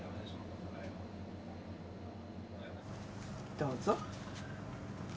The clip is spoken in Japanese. どうぞ。